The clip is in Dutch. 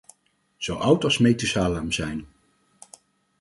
Zo oud als Metusalem zijn.